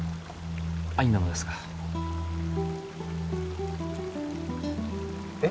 兄なのですがえッ？